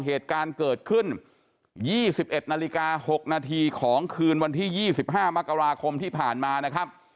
เหตุการณ์เกิดขึ้น๒๑นาฬิกา๖นาทีของคืนวันที่๒๕มกราคมที่ผ่านมานะครับ